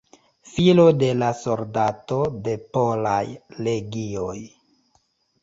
Filo de la soldato de Polaj Legioj.